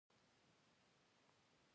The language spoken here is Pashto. پختکه ټوپ کړل.